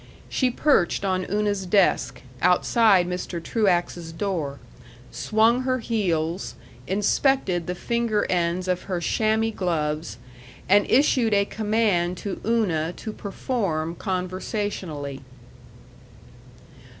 She perched on Una's desk, outside Mr. Truax's door, swung her heels, inspected the finger ends of her chamois gloves, and issued a command to Una to perform conversationally.